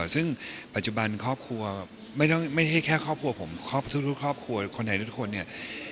ซึ่งปัจจุบันครอบครัวไม่ใช่แค่ครอบครัวผมครอบครัวทุกครอบครัวคนไทยทุกคนเนี่ย